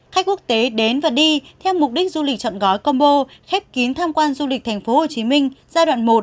khách quốc tế đến và đi theo mục đích du lịch chọn gói combo khép kín tham quan du lịch tp hcm giai đoạn một